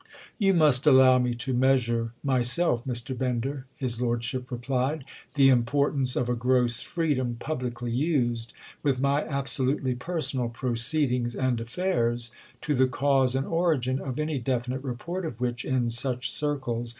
"You must allow me to measure, myself, Mr. Bender," his lordship replied, "the importance of a gross freedom publicly used with my absolutely personal proceedings and affairs; to the cause and origin of any definite report of which—in such circles!